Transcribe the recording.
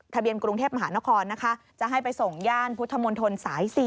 เบียนกรุงเทพมหานครนะคะจะให้ไปส่งย่านพุทธมนตรสาย๔